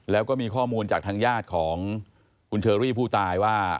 แล้วก็มีข้อมูลจากทางญาติของคุณเชอรี่ผู้ตายว่า